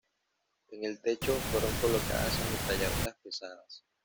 En el techo fueron colocadas ametralladoras pesadas.